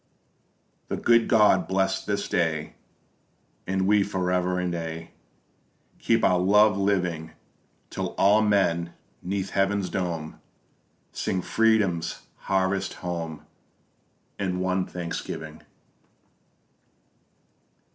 _The good God bless this day, And we for ever and aye Keep our love living, Till all men 'neath heaven's dome Sing Freedom's Harvest home In one Thanksgiving!